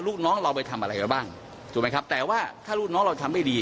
ลูกน้องเราไปทำอะไรเราบ้างถูกไหมครับแต่ว่าถ้าลูกน้องเราทำไม่ดี